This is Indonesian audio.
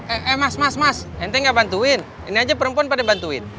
eh mas mas mas enteng gak bantuin ini aja perempuan pada bantuin